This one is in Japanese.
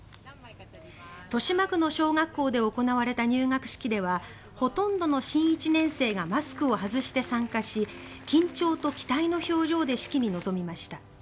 豊島区の小学校で行われた入学式ではほとんどの新１年生がマスクを外して参加し緊張と期待の表情で式に臨みました。